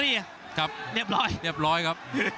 เรียบร้อยครับ